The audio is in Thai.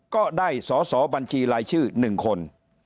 ก็ได้สอสอบัญชีรายชื่อ๑คน